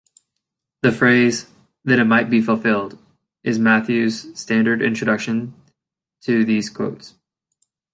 The phrase "that it might be fulfilled" is Matthew's standard introduction to these quotes.